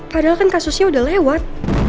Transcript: padahal kan kasusnya udah lewat